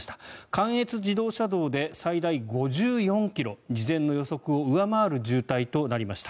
関越自動車道で最大５４ｋｍ事前の予測を上回る渋滞となりました。